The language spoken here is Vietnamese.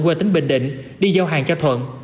quê tỉnh bình định đi giao hàng cho thuận